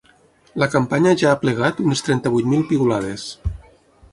La campanya ja ha aplegat unes trenta-vuit mil piulades.